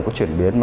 cái chuyển biến